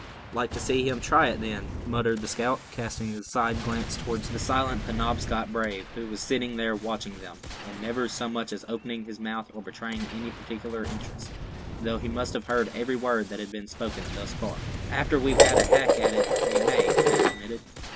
"Like to see him try it, then," muttered the scout, casting a side glance toward the silent Penobscot brave, who was sitting there watching them, and never so much as opening his mouth, or betraying any particular interest, though he must have heard every word that had been spoken thus far. "After we've had a hack at it, we may," Thad admitted.